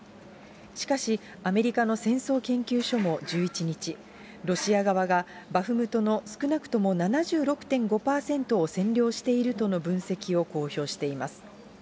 しかし、アメリカの戦争研究所も１１日、ロシア側がバフムトの少なくとも７６．５％を占領しているとの分析を公表しています。